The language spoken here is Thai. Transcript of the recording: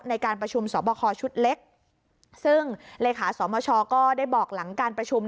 ในการประชุมสอบคอชุดเล็กซึ่งเลขาสมชก็ได้บอกหลังการประชุม